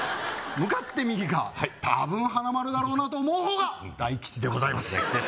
向かって右が多分華丸だろうなと思う方が大吉でございます大吉です